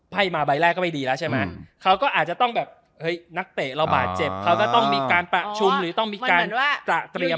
มาใบแรกก็ไม่ดีแล้วใช่ไหมเขาก็อาจจะต้องแบบเฮ้ยนักเตะเราบาดเจ็บเขาก็ต้องมีการประชุมหรือต้องมีการตระเตรียม